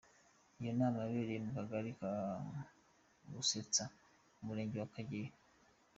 Iyo nama yabereye mu kagari ka Busetsa, ho mu murenge wa Kageyo.